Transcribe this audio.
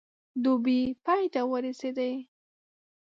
دوبی پای ته ورسېدی.